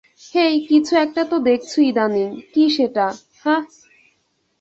হেই, কিছু একটা তো দেখছো ইদানিং, কী সেটা, হাহ?